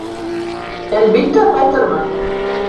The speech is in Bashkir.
— Әлбиттә, ҡайтырмын.